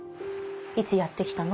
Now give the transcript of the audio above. いつやって来たの？